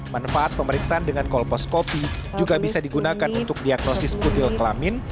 manfaat pemeriksaan dengan kolposcopy juga bisa digunakan untuk diagnosis kutil kelamin